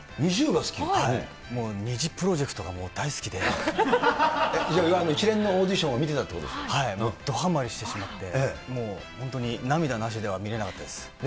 もうニジプロジェクトが大好一連のオーディションを見てどはまりしてしまって、もう本当涙なしでは見れなかったです。